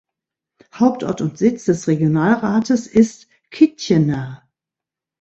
Hauptort und Sitz des Regionalrates ist Kitchener.